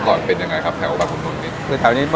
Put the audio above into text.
เช่นอาชีพพายเรือขายก๋วยเตี๊ยว